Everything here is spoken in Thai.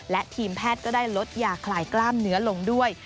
และทีมแพทย์ก็ได้ลดยาคลายกล้ามเนื้อลงด้วย